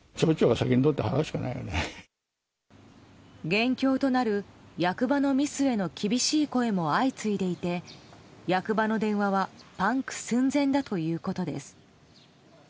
元凶となる役場のミスへの厳しい声も相次いでいて役場の電話はパンク寸前だということです。